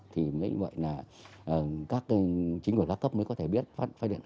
thì như vậy là các chính quyền gia cấp mới có thể biết phát điện